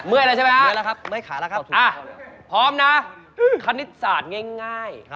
เมื่อยนะฮะเดียวช่วยพร้อมนะคณิตศาสตร์ง่าย